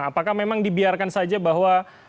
apakah memang dibiarkan saja bahwa